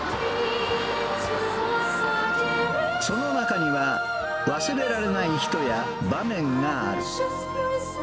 その中には、忘れられない人や場面がある。